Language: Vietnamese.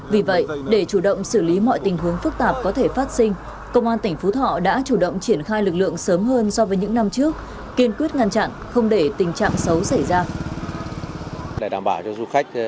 vì vậy để chủ động xử lý mọi tình huống phức tạp có thể phát sinh công an tỉnh phú thọ đã chủ động triển khai lực lượng sớm hơn so với những năm trước kiên quyết ngăn chặn không để tình trạng xấu xảy ra